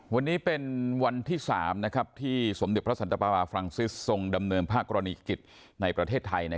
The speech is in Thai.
วันนี้เป็นวันที่๓ที่สมเด็จพระสันตปาราฟรังซิสทรงดำเนินภาคกรณีกิจในประเทศไทย